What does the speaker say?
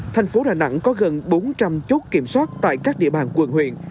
thành phố đà nẵng có gần bốn trăm linh chốt kiểm soát tại các địa bàn quận huyện